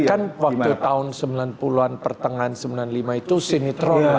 kan waktu tahun sembilan puluh an pertengahan sembilan puluh lima itu sinetron